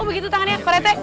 begitu tangannya pak rete